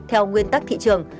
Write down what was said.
theo quyên tắc thị trường